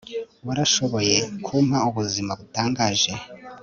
warashoboye kumpa ubuzima butangaje